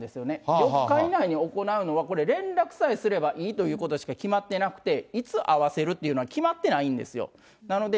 ４日以内に行うのは、これ、連絡さえすればいいということしか決まってなくて、いつ会わせるっていうのは決まってないんですよ。